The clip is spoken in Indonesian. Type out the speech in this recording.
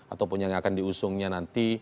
ataupun yang akan diusungnya nanti